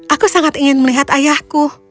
aku sangat ingin melihat ayahku